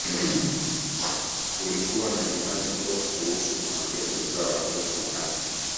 Kulikuwa na imani potofu kuhusu mwanamke kuzaa watoto mapacha